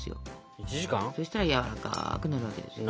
そしたらやわらかくなるわけですよ。